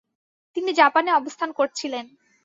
তিনি জাপানে অবস্থান করছিলেন।